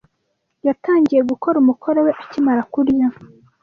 Yatangiye gukora umukoro we akimara kurya.